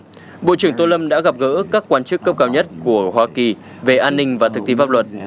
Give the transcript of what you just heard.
trong lĩnh vực thực thi pháp luật bộ trưởng tô lâm đã gặp gỡ các quan chức cấp cao nhất của hoa kỳ về an ninh và thực thi pháp luật